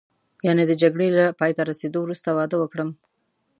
یعنې د جګړې له پایته رسېدو وروسته واده وکړم.